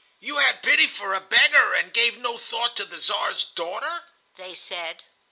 "You had pity for a beggar and gave no thought to the Czar's daughter," they said.